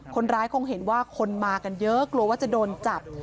คนร้ายคงเห็นว่าคนมากันเยอะกลัวว่าจะโดนจับ